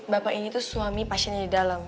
bapak ini tuh suami pasiennya di dalam